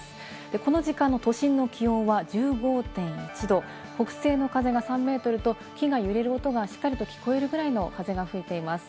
この時間の都心の気温は１５．１℃、北西の風が３メートルと、木が揺れる音がしっかりと聞こえるぐらいの風が吹いています。